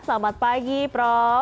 selamat pagi prof